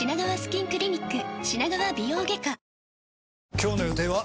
今日の予定は？